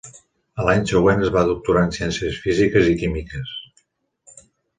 A l'any següent es va doctorar en ciències físiques i químiques.